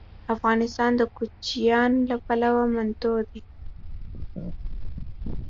افغانستان د کوچیان له پلوه متنوع دی.